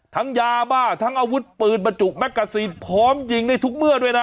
ยาบ้าทั้งอาวุธปืนบรรจุแมกกาซีนพร้อมยิงได้ทุกเมื่อด้วยนะ